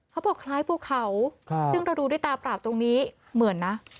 เขาบอกคล้ายภูเขาซึ่งเราดูด้วยตาเปล่าตรงนี้เหมือนนะ